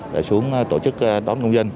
để xuống tổ chức đón công dân